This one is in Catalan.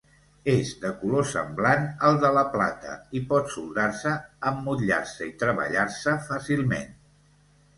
És de color semblant al de la plata i pot soldar-se, emmotllar-se i treballar-se fàcilment.